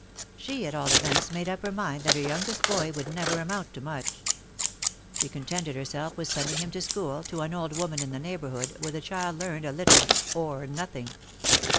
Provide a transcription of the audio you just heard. She at all events made up her mind that her youngest boy would never amount to much. She con tented herself with sending him to school, to an old woman ill the neighborhood, where the child learned little or nothing.